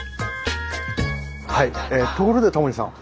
ところでタモリさん。